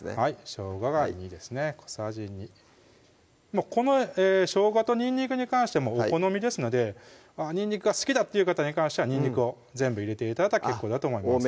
しょうがが２ですね小さじ２このしょうがとにんにくに関してもお好みですのでにんにくが好きだっていう方に関してはにんにくを全部入れて頂いたら結構だと思います